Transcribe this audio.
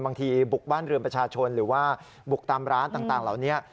บางทีบุกบ้านเรือนประชาชนหรือว่าบุกตามร้านต่างเหล่านี้